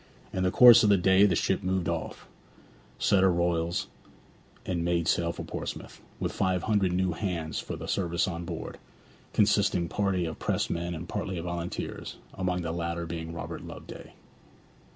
In the course of the day the ship moved off, set her royals, and made sail for Portsmouth, with five hundred new hands for the service on board, consisting partly of pressed men and partly of volunteers, among the latter being Robert Loveday.